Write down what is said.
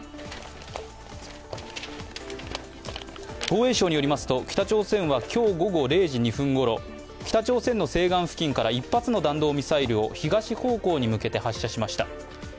防衛省によりますと北朝鮮は今日午後０時２分ごろ北朝鮮の西岸付近から１発の弾道ミサイルを東方向に向けて発射しました。